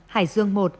hải dương một